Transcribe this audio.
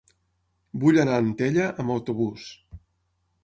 Vull anar a Antella amb autobús.